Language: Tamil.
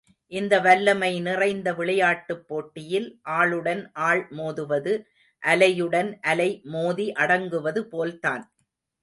இந்த வல்லமை நிறைந்த விளையாட்டுப் போட்டியில், ஆளுடன் ஆள் மோதுவது, அலையுடன் அலை மோதி அடங்குவதுபோல்தான்.